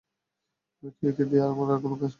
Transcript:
একে দিয়ে আমার কোনই প্রয়োজন নেই।